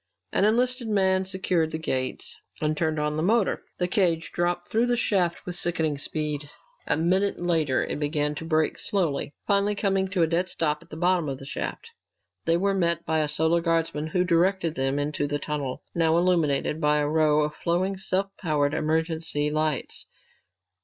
An enlisted man secured the gates and turned on the motor. The cage dropped through the shaft with sickening speed. A minute later it began to brake slowly, finally coming to a dead stop at the bottom of the shaft. They were met by a Solar Guardsman who directed them into the tunnel, now illuminated by a row of flowing, self powered emergency lights.